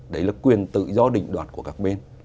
đấy là quyền tự do định đoạt của các bên